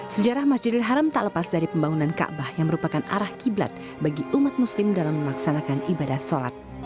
sejarah masjidil haram tak lepas dari pembangunan kaabah yang merupakan arah qiblat bagi umat muslim dalam melaksanakan ibadah sholat